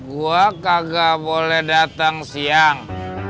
gue kagak boleh datang siang